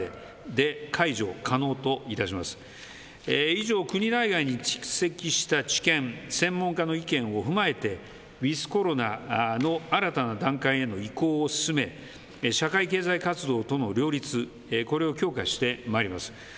以上、国内外に蓄積した知見、専門家の意見を踏まえて、ウィズコロナの新たな段階への移行を進め、社会経済活動との両立、これを強化してまいります。